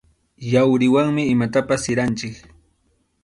Yawriwanmi imatapas siranchik.